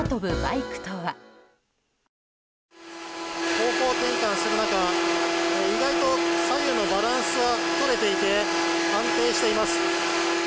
方向転換する中、意外と左右のバランスはとれていて安定しています。